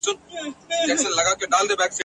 له اورنګه تر فرنګه چي راغلي ..